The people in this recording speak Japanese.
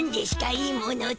いいものって。